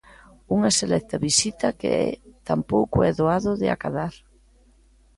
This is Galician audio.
Unha selecta visita que tampouco é doado de acadar.